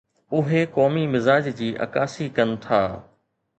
اهي قومي مزاج جي عڪاسي ڪن ٿا.